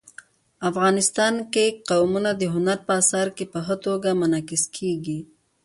افغانستان کې قومونه د هنر په اثار کې په ښه توګه منعکس کېږي.